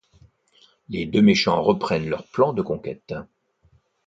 Les deux méchants reprennent leurs plans de conquête.